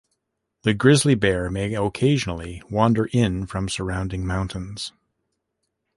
The grizzly bear may occasionally wander in from surrounding mountains.